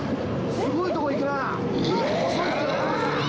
すごいとこいくな・え・